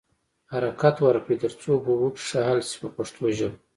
حرکت ورکړئ تر څو په اوبو کې ښه حل شي په پښتو ژبه.